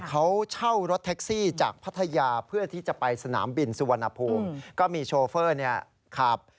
เขาเช่ารถแท็กซี่จากพัทยาเพื่อที่จะไปสนามบินสุวรรณภูมิก็มีโชเฟอร์เนี่ยขับ